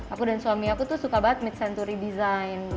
aku dan suami aku tuh suka banget midd senturi design